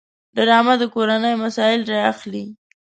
ډرامه د کورنۍ مسایل راخلي